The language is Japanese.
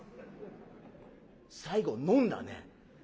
「最後飲んだね。